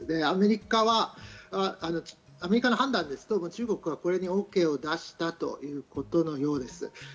アメリカは、アメリカの判断ですと中国はこれにＯＫを出したということのようです。